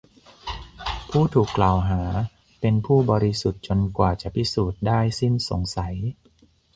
ผู้ถูกกล่าวหาเป็นผู้บริสุทธิ์จนกว่าจะพิสูจน์ได้สิ้นสงสัย